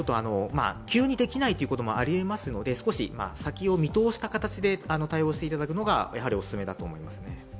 急にできないということもありえますので、少し先を見通した形で対応していただくのがお勧めだと思います。